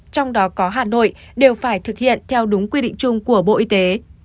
trong đó có hà nội đều phải thực hiện theo đúng quy định chung của bộ y tế